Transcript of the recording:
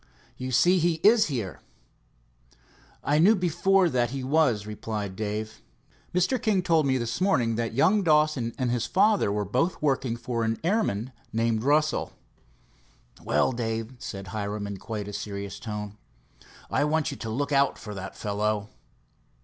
"You see he is here." "I knew before this that he was," replied Dave. "Mr. King told me this morning that young Dawson and his father were both working for an airman named Russell." "Well, Dave," said Hiram in quite a serious tone, "I want you to look out for that fellow."